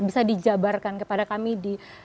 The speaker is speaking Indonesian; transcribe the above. bisa dijabarkan kepada kami di